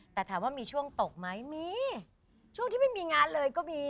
แต่ถามว่ามีช่วงตกไหมมีช่วงที่ไม่มีงานเลยก็มี